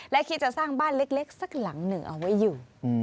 และคิดจะสร้างบ้านเล็กสักหลังหนึ่งเอาไว้อยู่